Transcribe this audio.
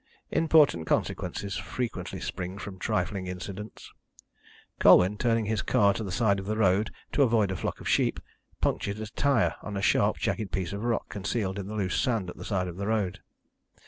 Important consequences frequently spring from trifling incidents. Colwyn, turning his car to the side of the road to avoid a flock of sheep, punctured a tyre on a sharp jagged piece of rock concealed in the loose sand at the side of the road.